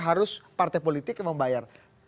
harus partai politik membayar